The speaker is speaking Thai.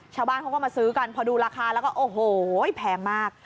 ชาวบ้านเขาก็มาซื้อกันพอดูราคาแล้วก็โอ้โหแพงมาก